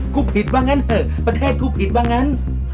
ผิดว่างั้นเถอะประเทศกูผิดว่างั้น